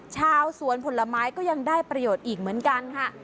ชาวสวนผลไม้ก็ยังได้ประโยชน์อีกเหมือนกันค่ะ